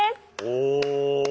お！